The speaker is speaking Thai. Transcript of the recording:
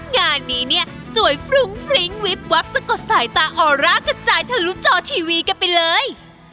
งานนี้เนี่ยสวยฟรุ้งฟริ้งวิบวับสะกดสายตาออร่ากระจายทะลุจอทีวีกันไปเลย